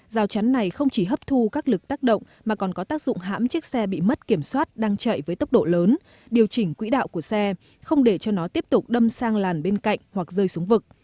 rào chắn này không chỉ hấp thu các lực tác động mà còn có tác dụng hãm chiếc xe bị mất kiểm soát đang chạy với tốc độ lớn điều chỉnh quỹ đạo của xe không để cho nó tiếp tục đâm sang làn bên cạnh hoặc rơi xuống vực